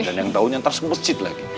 dan yang tau nanti harus ke masjid lagi